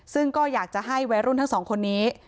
ซึ่งก็อยากจะให้วัยรุ่นทั้งสองคนนี้